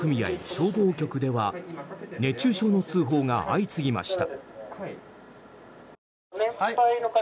消防局では熱中症の通報が相次ぎました。